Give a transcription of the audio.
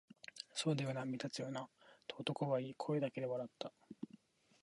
「そうだよな、目立つよな」と男は言い、声だけで笑った